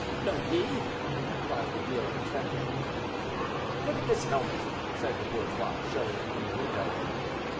"Know me!" cried the dealer, trembling. "Look at this helmet," said the bourgeois, showing it from the window.